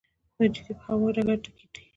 د جدې په هوايي ډګر کې تړي.